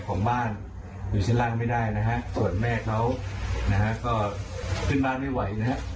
ของบ้านอยู่ชั้นล่างไม่ได้นะครับส่วนแม่เขาก็ขึ้นบ้านไม่ไหวนะครับ